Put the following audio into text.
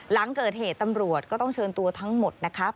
หลังเกิดเหตุตำรวจก็ต้องเชิญตัวทั้งหมดนะครับ